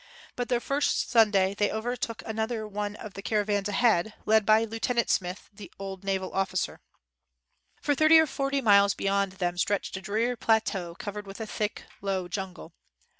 By their first Sunday, they overtook another of the car avans ahead, led by Lieutenant Smith, the old naval officer. For thirty or forty miles beyond them stretched a dreary plateau covered with a thick, low jungle.